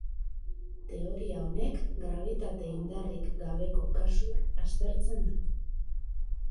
Teoria honek grabitate indarrik gabeko kasua aztertzen du.